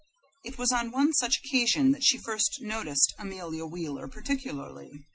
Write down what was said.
It was on one such occasion that she first noticed Amelia Wheeler particularly.